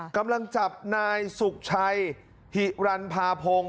กำลังจับนายสุขชัยหิรันพาพงศ์